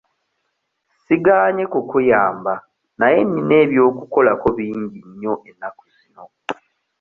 Sigaanye kukuyamba naye nnina eby'okukolako bingi nnyo ennaku zino.